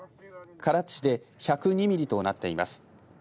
唐津市で１０２ミリとなっています。